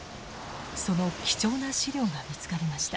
その貴重な資料が見つかりました。